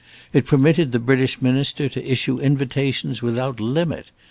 It permitted the British Minister to issue invitations without limit.